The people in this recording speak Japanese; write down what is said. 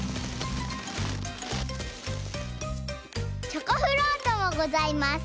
チョコフロートもございます！